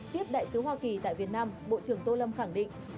tiếp đại sứ hoa kỳ tại việt nam bộ trưởng tô lâm khẳng định